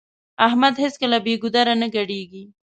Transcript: احمد هيڅکله بې ګودره نه ګډېږي.